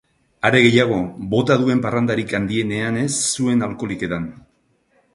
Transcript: Are gehiago, bota duen parrandarik handienean ez zuen alkoholik edan.